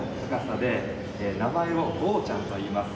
名前を「ゴーちゃん。」といいます。